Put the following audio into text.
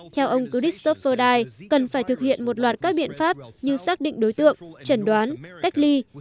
theo ông christopherdai cần phải thực hiện một loạt các biện pháp như xác định đối tượng trần đoán cách ly